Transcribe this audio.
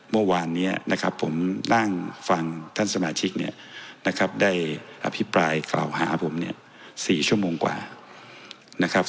เมื่อวานนี้นะครับผมนั่งฟังท่านสมาชิกเนี่ยนะครับได้อภิปรายกล่าวหาผมเนี่ย๔ชั่วโมงกว่านะครับ